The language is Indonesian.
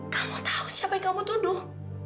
kamu tahu siapa yang kamu tuduh